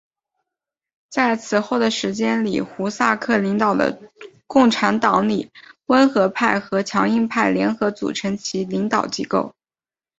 在此后的时间里胡萨克领导的共产党里温和派和强硬派联合组成其领导机构。